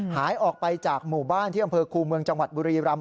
หายออกไปจากหมู่บ้านที่อำเภอคูเมืองจังหวัดบุรีรำ